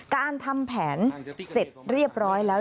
การทำแผนเสร็จเรียบร้อยแล้ว